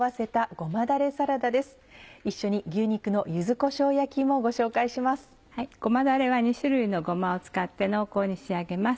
ごまだれは２種類のごまを使って濃厚に仕上げます。